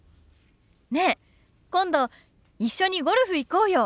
ねえ今度一緒にゴルフ行こうよ。